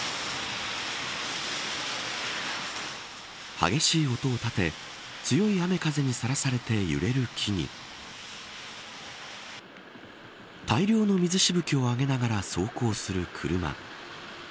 激しい音を立て強い雨風にさらされて揺れる木に大量の水しぶきを上げながら走行する車。